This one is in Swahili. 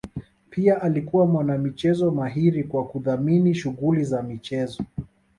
pia alikuwa mwana michezo mahiri kwa kudhamini shughuli za michezo